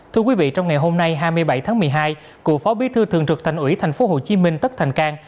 thưa quý vị trong ngày hôm nay hai mươi bảy tháng một mươi hai cụ phó bí thư thường trực thành ủy tp hcm tất thành cang